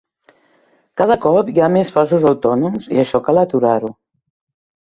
Cada cop hi ha més falsos autònoms i això cal aturar-ho.